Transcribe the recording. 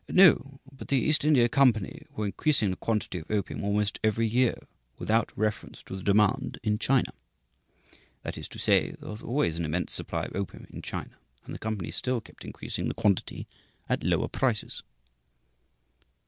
"No, but the East India Company were increasing the quantity of opium almost every year, without reference to the demand in China; that is to say, there was always an immense supply of opium in China, and the company still kept increasing the quantity at lower prices."